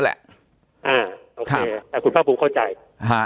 นั่นแหละอ่ะโอเคแต่คุณพระบุคกฏติอ่า